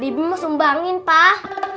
debi mau sumbangin pak